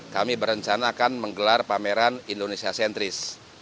kami berencana akan menggelar pameran indonesia sentris